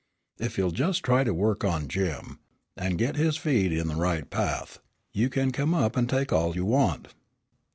If you'll just try to work on Jim, and get his feet in the right path, you can come up and take all you want."